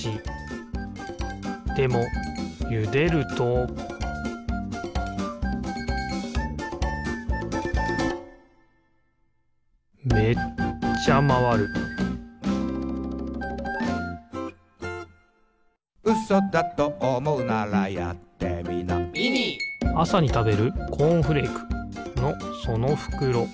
でもゆでるとめっちゃまわるあさにたべるコーンフレークのそのふくろ。